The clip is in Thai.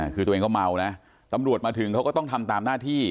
คือตัวเองก็เมานะตำรวจมาถึงเขาก็ต้องทำตามหน้าที่